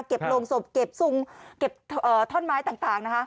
เก็บโรงศพเก็บท่อนไม้ต่างนะคะ